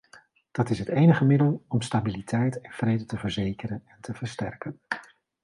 Dat is het enige middel om stabiliteit en vrede te verzekeren en te versterken.